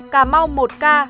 cà mau một ca